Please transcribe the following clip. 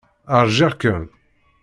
Ṛjiɣ-kem.